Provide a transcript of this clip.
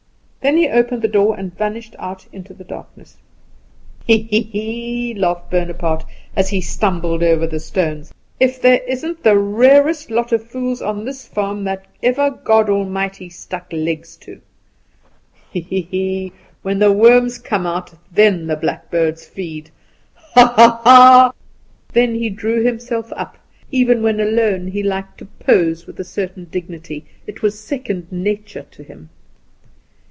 Then he opened the door and vanished out into the darkness. "He, he, he!" laughed Bonaparte, as he stumbled over the stones. "If there isn't the rarest lot of fools on this farm that ever God Almighty stuck legs to. He, he, he! When the worms come out then the blackbirds feed. Ha, ha, ha!" Then he drew himself up; even when alone he liked to pose with a certain dignity; it was second nature to him.